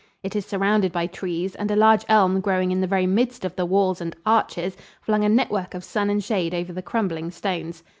It is surrounded by trees, and a large elm growing in the very midst of the walls and arches flung a network of sun and shade over the crumbling stones.